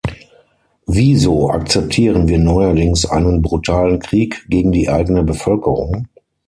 Wieso akzeptieren wir neuerdings einen brutalen Krieg gegen die eigene Bevölkerung?